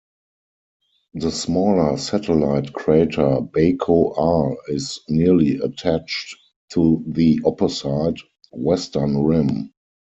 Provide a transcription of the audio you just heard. The smaller satellite crater Baco R is nearly attached to the opposite, western rim.